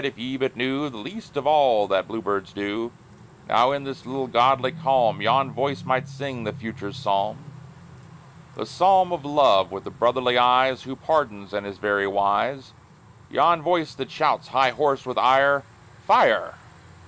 if ye but knew The least of the all that bluebirds do, Now in this little godly calm Yon voice might sing the Future's Psalm The Psalm of Love with the brotherly eyes Who pardons and is very wise Yon voice that shouts, high hoarse with ire, _Fire!